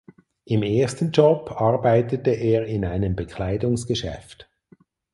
Im ersten Job arbeitete er in einem Bekleidungsgeschäft.